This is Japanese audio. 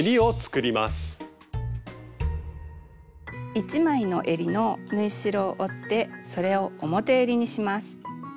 １枚のえりの縫い代を折ってそれを表えりにします。